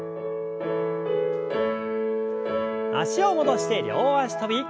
脚を戻して両脚跳び。